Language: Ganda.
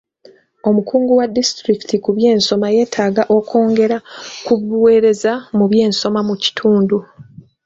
Omukungu wa disitulikiti ku by'ensoma yeetaaga okwongera ku buweereza mu by'ensoma mu kitundu.